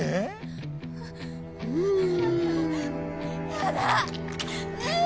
やだ！